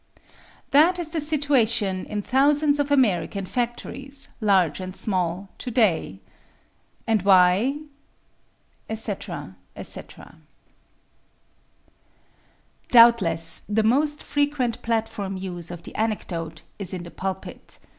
That is the situation in thousands of American factories, large and small, today. And why? etc., etc. Doubtless the most frequent platform use of the anecdote is in the pulpit.